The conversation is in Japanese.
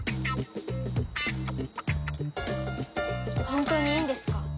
本当にいいんですか？